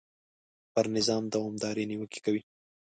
پر نظام دوامدارې نیوکې کوي.